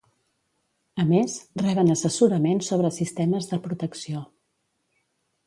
A més, reben assessorament sobre sistemes de protecció.